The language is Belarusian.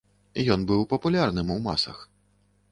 Ён быў папулярным у масах.